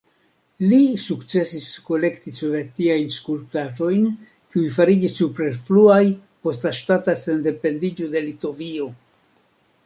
Li sukcesis kolekti sovetiajn skulptaĵojn, kiuj fariĝis superfluaj post la ŝtata sendependiĝo de Litovio.